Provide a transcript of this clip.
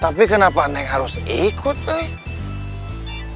tapi kenapa neng harus ikut tuh ya